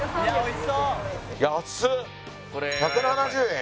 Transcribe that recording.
１７０円？